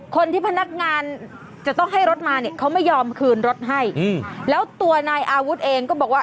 พนักงานจะต้องให้รถมาเนี่ยเขาไม่ยอมคืนรถให้แล้วตัวนายอาวุธเองก็บอกว่า